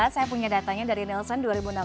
saya punya datanya dari nielsen dua ribu enam belas